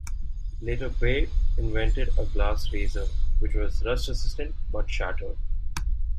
Later Baird invented a glass razor, which was rust-resistant, but shattered.